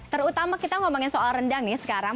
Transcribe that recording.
terutama kita ngomongin soal rendang nih sekarang